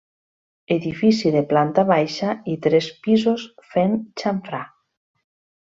Edifici de planta baixa i tres pisos fent xamfrà.